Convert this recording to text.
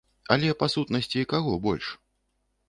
Але па сутнасці каго больш?